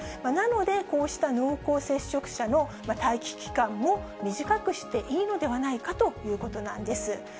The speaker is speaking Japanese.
なので、こうした濃厚接触者の待機期間も短くしていいのではないかということなんです。